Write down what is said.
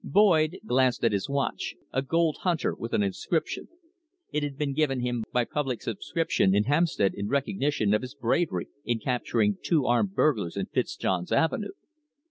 Boyd glanced at his watch a gold hunter with an inscription. It had been given him by public subscription in Hampstead in recognition of his bravery in capturing two armed burglars in Fitzjohn's Avenue.